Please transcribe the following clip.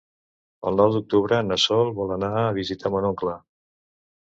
El nou d'octubre na Sol vol anar a visitar mon oncle.